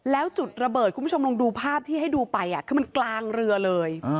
แล้วจุดระเบิดคุณผู้ชมลองดูภาพที่ให้ดูไปคือมันกลางเรือเลย